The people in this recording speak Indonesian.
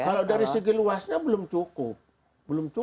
kalau dari segi luasnya belum cukup